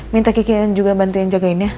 minta kiki juga bantuin jagainnya